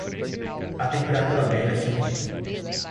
A temperatura média subiu.